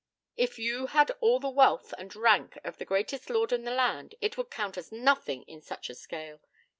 If you had all the wealth and rank of the greatest lord in the land, it would count as nothing in such a scale.